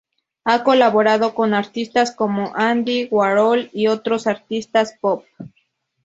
Ha colaborado con artistas como Andy Warhol y otros artistas pop.